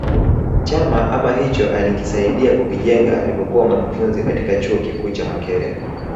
Chama ama hicho alikisaidia kukijenga alipokuwa mwanafunzi katika chuo kikuu cha Makerere